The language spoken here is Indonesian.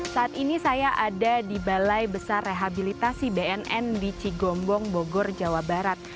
saat ini saya ada di balai besar rehabilitasi bnn di cigombong bogor jawa barat